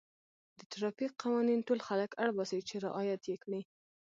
د ټرافیک قوانین ټول خلک اړ باسي چې رعایت یې کړي.